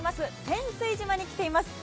仙酔島に来ています。